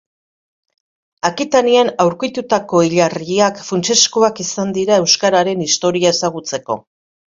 Akitanian aurkitutako hilarriak funtsezkoak izan dira euskararen historia ezagutzeko